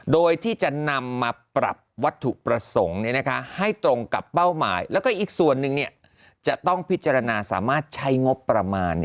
โดยที่จะนำมาปรับวัตถุประสงค์ให้ตรงกับเป้าหมายแล้วก็อีกส่วนหนึ่งจะต้องพิจารณาสามารถใช้งบประมาณ